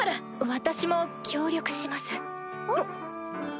私も協力します。